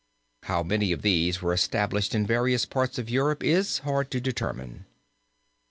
How many of these were established in various parts of Europe is hard to determine.